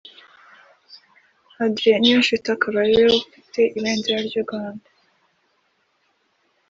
Adrien Niyonshuti akaba ariwe wari ufite ibendera ry’u Rwanda